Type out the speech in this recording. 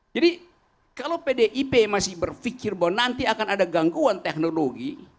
jadi kalau pdip masih berpikir bahwa nanti akan ada gangguan teknologi